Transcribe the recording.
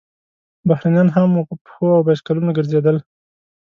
بهرنیان هم وو، په پښو او بایسکلونو ګرځېدل.